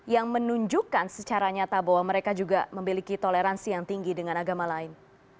yang menunjukkan secara nyata bahwa mereka juga memiliki toleransi yang tinggi dengan agama lain